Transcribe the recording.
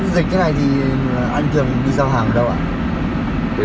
dịch thế này thì anh thường đi giao hàng ở đâu ạ